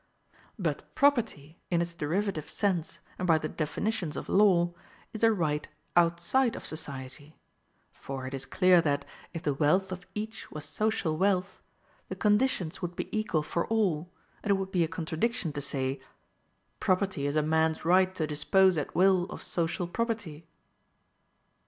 But property, in its derivative sense, and by the definitions of law, is a right outside of society; for it is clear that, if the wealth of each was social wealth, the conditions would be equal for all, and it would be a contradiction to say: PROPERTY IS A MAN'S RIGHT TO DISPOSE AT WILL OF SOCIAL PROPERTY.